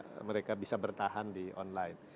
jadi mereka bisa bertahan di online